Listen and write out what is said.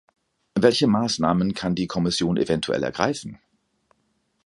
Welche Maßnahmen kann die Kommission eventuell ergreifen?